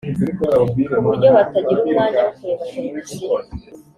ku buryo batagira umwanya wo kureba Televiziyo